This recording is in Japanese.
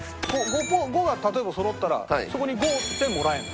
５が例えばそろったらそこに５点もらえるの？